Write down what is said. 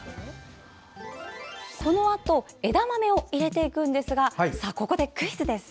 このあと枝豆を入れていくんですがここでクイズです！